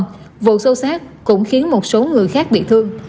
trong vụ sâu sát cũng khiến một số người khác bị thương